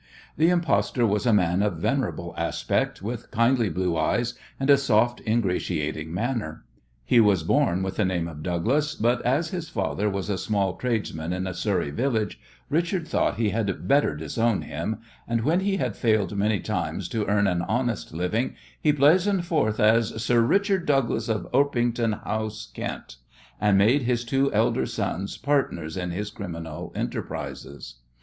The impostor was a man of venerable aspect, with kindly blue eyes and a soft, ingratiating manner. He was born with the name of Douglas, but as his father was a small tradesman in a Surrey village Richard thought he had better disown him, and when he had failed many times to earn an honest living he blazoned forth as "Sir Richard Douglas of Orpington House, Kent," and made his two elder sons partners in his criminal enterprises.